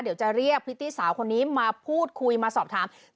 เดี๋ยวจะเรียกพริตตี้สาวคนนี้มาพูดคุยมาสอบถาม